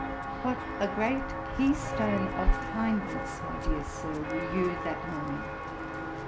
What a great key stone of kindness, my dear Sir, were you that morning!